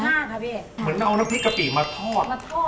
เหมือนเอาน้ำพริกกะปิมาทอด